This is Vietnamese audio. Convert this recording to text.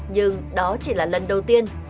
nhưng đó chỉ là lần đầu tiên